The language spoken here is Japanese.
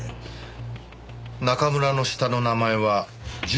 中村の下の名前は「隼」